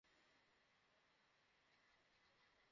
শুধু ওরই ভেতরে আসার অনুমতি আছে।